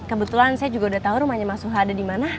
kebetulan saya juga udah tahu rumahnya mas huha ada di mana